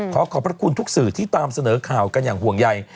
ขอขอบพระคุณทุกสื่อที่ตามเสนอข่าวกันอย่างห่วงใย